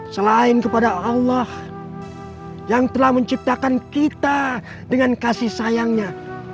selain kepada allah yang telah menciptakan kita dengan kasih sayangnya